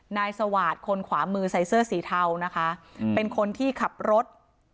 นายสวาสตร์คนขวามือใส่เสื้อสีเทานะคะเป็นคนที่ขับรถ